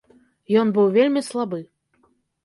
Ён быў вельмі слабы.